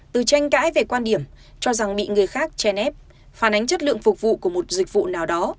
từ tranh cãi về quan điểm cho rằng bị người khác chen ép phản ánh chất lượng phục vụ của một dịch vụ nào đó